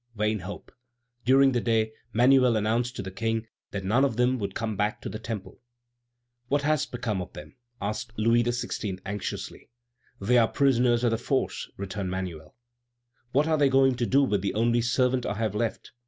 Vain hope! During the day Manuel announced to the King that none of them would come back to the Temple. "What has become of them?" asked Louis XVI. anxiously. "They are prisoners at the Force," returned Manuel. "What are they going to do with the only servant I have left?"